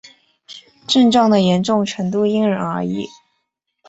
症状的严重程度因人而异。